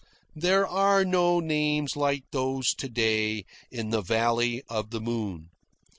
There are no names like those to day in the Valley of the Moon.